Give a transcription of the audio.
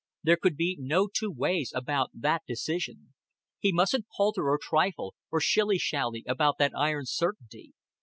There could be no two ways about that decision. He mustn't palter, or trifle, or shilly shally about that iron certainty.